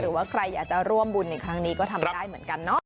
หรือว่าใครอยากจะร่วมบุญในครั้งนี้ก็ทำได้เหมือนกันเนาะ